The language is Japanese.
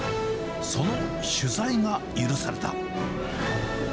その取材が許された。